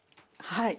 はい。